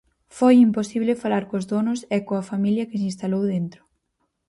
Foi imposible falar cos donos e coa familia que se instalou dentro.